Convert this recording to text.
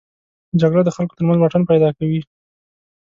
جګړه د خلکو تر منځ واټن پیدا کوي